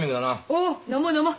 おお飲もう飲もう。